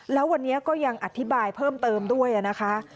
แล้ววันนี้ก็ยังอธิบายเพิ่มเติมด้วยนะคะ